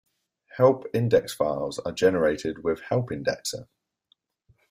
Help index files are generated with Help Indexer.